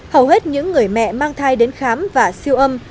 hầu hết những người mẹ mang thai đến khám và siêu âm